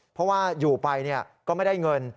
เพราะว่าอยู่ไปก็ไม่ได้เงิน